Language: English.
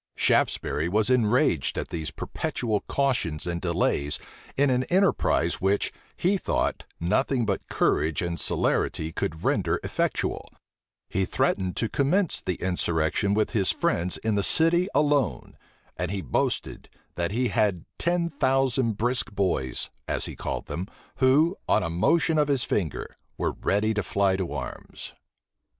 Shaftesbury was enraged at these perpetual cautions and delays in an enterprise which, he thought, nothing but courage and celerity could render effectual: he threatened to commence the insurrection with his friends in the city alone; and he boasted, that he had ten thousand brisk boys, as he called them, who, on a motion of his finger, were ready to fly to arms.